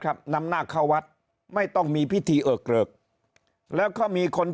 นำหน้าเข้าวัดไม่ต้องมีพิธีเอิกเกริกแล้วก็มีคน